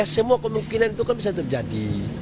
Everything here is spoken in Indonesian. semua kemungkinan itu kan bisa terjadi